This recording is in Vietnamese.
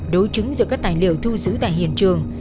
đối chứng giữa các tài liệu thu giữ tại hiện trường